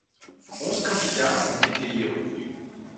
Onze candidats ont été retenus.